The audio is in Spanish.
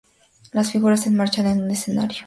Las figuras se enmarcan en un escenario arquitectónico.